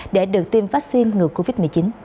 để được tiêm vaccine ngừa covid một mươi chín